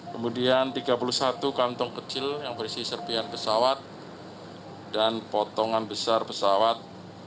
kemudian tiga puluh satu kantong kecil yang berisi serpihan pesawat dan potongan besar pesawat dua puluh delapan